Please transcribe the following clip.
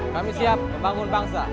kami siap membangun bangsa